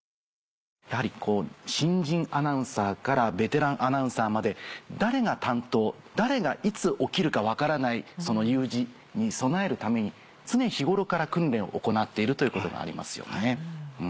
やはり新人アナウンサーからベテランアナウンサーまで誰が担当誰がいつ起きるか分からない有事に備えるために常日頃から訓練を行っているということもありますよね。